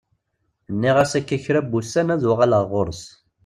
Nniɣ-as akka kra n wussan ad uɣaleɣ ɣur-s.